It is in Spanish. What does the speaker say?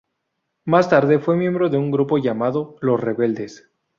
Más tarde, fue miembro de un grupo llamado "Los Rebeldes".